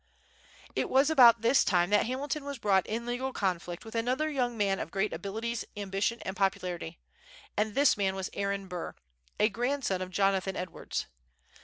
It was about this time that Hamilton was brought in legal conflict with another young man of great abilities, ambition, and popularity; and this man was Aaron Burr, a grandson of Jonathan Edwards.